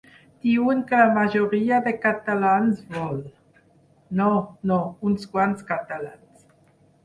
Diuen que la majoria de catalans vol… No, no, uns quants catalans.